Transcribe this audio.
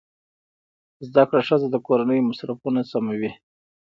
زده کړه ښځه د کورنۍ مصرفونه سموي.